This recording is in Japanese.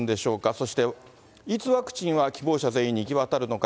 そして、いつワクチンは希望者全員に行き渡るのか。